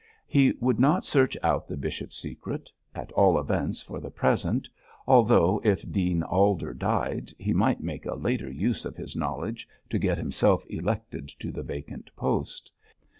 He would not search out the bishop's secret at all events for the present although, if Dean Alder died, he might make a later use of his knowledge to get himself elected to the vacant post.